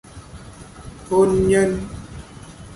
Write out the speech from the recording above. Hôn nhân